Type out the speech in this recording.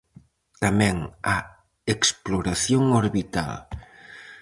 Tamén a exploración orbital.